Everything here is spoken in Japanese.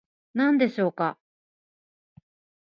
何でしょうか